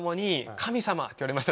「神様」。